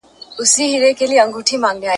شمعي ته څه مه وایه! !.